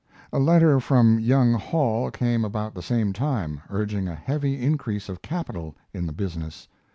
A letter from young Hall came about the same time, urging a heavy increase of capital in the business.